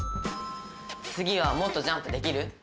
次はもっとジャンプできる？